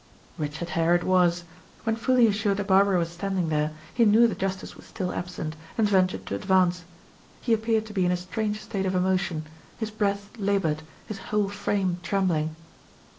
Richard Hare it was. When fully assured that Barbara was standing there, he knew the justice was still absent, and ventured to advance. He appeared to be in a strange state of emotion his breath labored, his whole frame trembling.